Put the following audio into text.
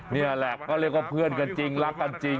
นี่แหละก็เรียกว่าเพื่อนกันจริงรักกันจริง